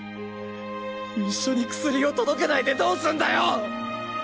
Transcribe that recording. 一緒に薬を届けないでどうすんだよ！